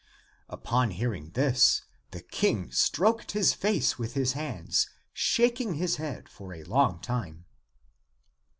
Upon hearing this, the King stroked his face with his hands, shaking his head for a long time.